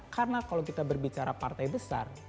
karena kalau kita berbicara partai besar